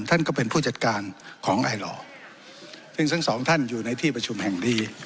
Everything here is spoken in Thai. ท่านก็เป็นผู้จัดการของไอหล่อซึ่งทั้งสองท่านอยู่ในที่ประชุมแห่งดี